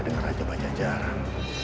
dengan raja bajajaran